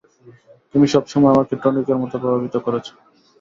তুমি সবসময় আমাকে টনিকের মতো প্রভাবিত করেছ।